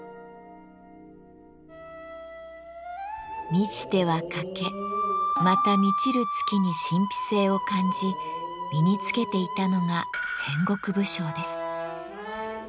満ちては欠けまた満ちる月に神秘性を感じ身につけていたのが戦国武将です。